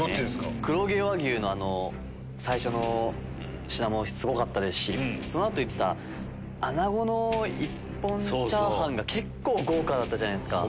黒毛和牛の最初の品もすごかったですしその後行ってた穴子の一本チャーハンが結構豪華だったじゃないですか。